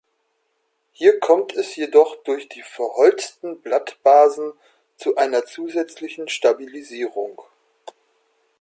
Hier kommt es jedoch durch die verholzten Blattbasen zu einer zusätzlichen Stabilisierung.